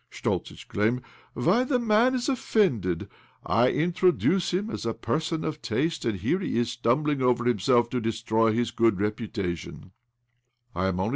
Schtoltz exclaimed. "Why, the man is offended I I introduce him as a person of taste, and here is he stumbling Over himself to destroy his good reputation I "' 1 am only